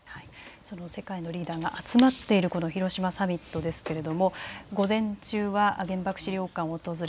世界のリーダーが集まっている広島サミットですけれども午前中は原爆資料館を訪れ